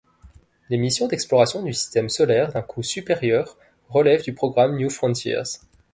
Les missions d'exploration du Système solaire d'un coût supérieur relèvent du programme New Frontiers.